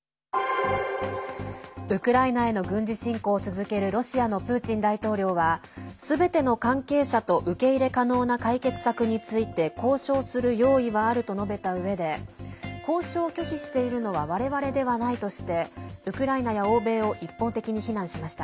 ウクライナへの軍事侵攻を続けるロシアのプーチン大統領はすべての関係者と受け入れ可能な解決策について交渉する用意はあると述べたうえで交渉を拒否しているのは我々ではないとしてウクライナや欧米を一方的に非難しました。